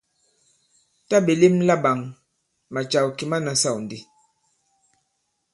Tǎ ɓè lem laɓāŋ, màcàw kì ma nasâw ndi.